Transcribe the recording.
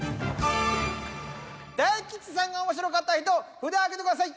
大吉さんが面白かった人札を上げてください。